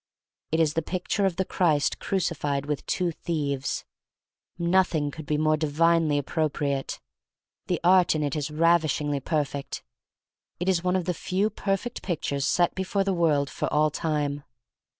It is, the picture of the Christ crucified with two thieves. Nothing could be more divinely appro priate. The art in it is ravishingly perfect. It is one of the few perfect pictures set before the world for all time.